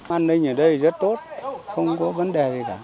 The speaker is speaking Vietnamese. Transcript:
an ninh ở đây rất tốt không có vấn đề gì cả